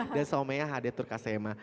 dan soalnya hadir turkasema